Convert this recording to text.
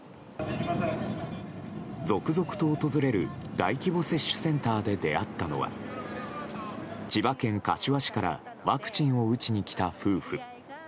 続々と訪れる大規模接種センターで出会ったのは千葉県柏市からワクチンを打ちに来た夫婦。